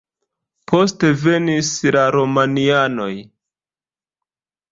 Poste venis la romianoj.